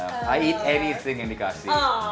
aku makan apa saja yang dikasih